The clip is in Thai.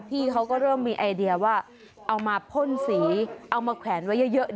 พี่เขาก็เริ่มมีไอเดียว่าเอามาพ่นสีเอามาแขวนไว้เยอะ